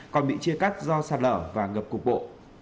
còn bị chia cắt do sạt lở và ngập cục bộ